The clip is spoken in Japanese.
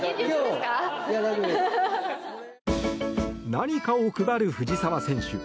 何かを配る藤澤選手。